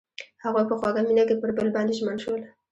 هغوی په خوږ مینه کې پر بل باندې ژمن شول.